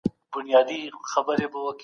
ستړی مه شې!